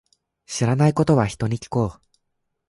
知らないことは、人に聞こう。